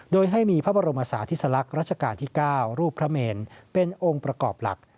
โดยให้มีพระบรมศาธิสลักษณ์รัชกาลที่๙รูปพระเมนเป็นองค์ประกอบหลัก